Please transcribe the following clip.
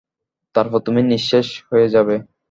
তারপর তুমি নিঃশেষ হয়ে যাবে।